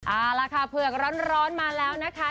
เอาล่ะค่ะเผือกร้อนมาแล้วนะคะ